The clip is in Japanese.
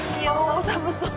寒そう。